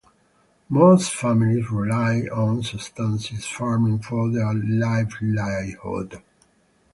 Most families rely on subsistence farming for their livelihood.